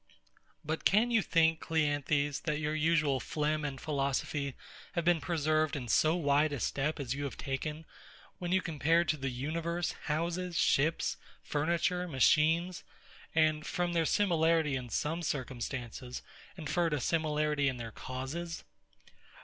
But can you think, CLEANTHES, that your usual phlegm and philosophy have been preserved in so wide a step as you have taken, when you compared to the universe houses, ships, furniture, machines, and, from their similarity in some circumstances, inferred a similarity in their causes?